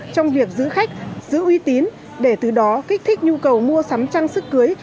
trong việc giữ khách giữ uy tín để từ đó kích thích nhu cầu mua sắm trang sức cưới